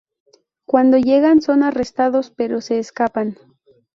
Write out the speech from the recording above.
Cuando llegan, son arrestados, pero se escapan.